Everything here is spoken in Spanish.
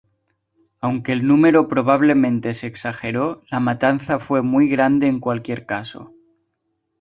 Aunque el número probablemente se exageró, la matanza fue muy grande en cualquier caso.